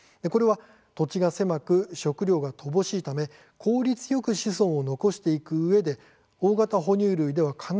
これは土地が狭く食料が乏しいため効率よく子孫を残していくうえで